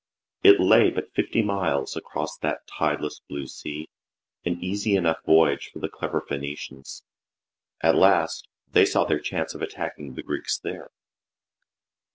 It lay but fifty miles across that tideless blue sea, an easy enough voyage for the clever Phoenicians. At last they saw their chance of attacking the Greeks there.